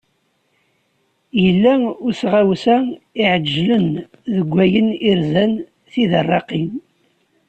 Yella usɣawsa iεeǧlen deg ayen irzan tidarraqin.